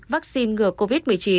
vaccine ngừa covid một mươi chín